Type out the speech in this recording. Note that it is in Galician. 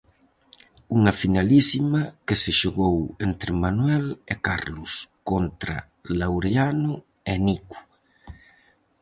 Unha finalísima que se xogou entre Manuel e Carlos contra Laureano e Nico...